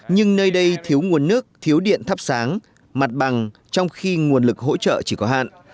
nhưng nơi đây thiếu nguồn nước thiếu điện thắp sáng mặt bằng trong khi nguồn lực hỗ trợ chỉ có hạn